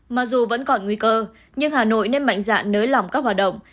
mà dù vẫn còn nguy cơ nhưng hà nội nên mạnh dạng nới lỏng các hoạt động